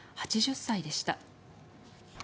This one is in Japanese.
８０歳でした。